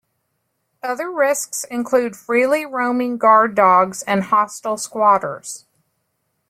Other risks include freely roaming guard dogs and hostile squatters.